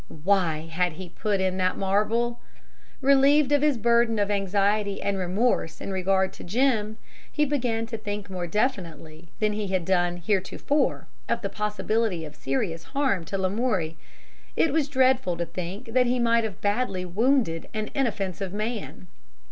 Why had he put in that marble? Relieved of his burden of anxiety and remorse in regard to Jim, he began to think more definitely than he had done heretofore of the possibility of serious harm to Lamoury. It was dreadful to think that he might have badly wounded an inoffensive man.